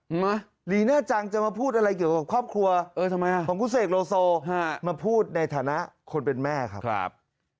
ฮะลีน่าจังจะมาพูดอะไรเกี่ยวกับครอบครัวของกุศเอกโลโซมาพูดในฐานะคนเป็นแม่ครับ